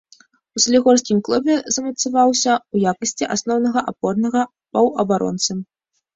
У салігорскім клубе замацаваўся ў якасці асноўнага апорнага паўабаронцы.